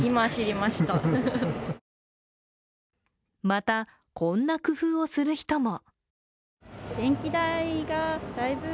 また、こんな工夫をする人も。